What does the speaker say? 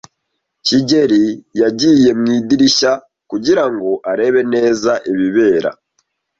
kigeli yagiye mu idirishya kugirango arebe neza ibibera.